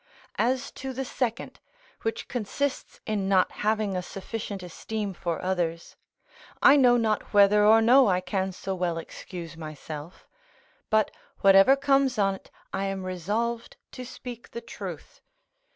As to the second, which consists in not having a sufficient esteem for others, I know not whether or no I can so well excuse myself; but whatever comes on't I am resolved to speak the truth.